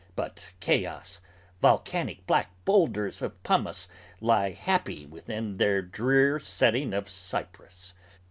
But chaos, volcanic black boulders Of pumice lie Happy within their drear setting of cypress.